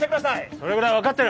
それぐらい分かってる！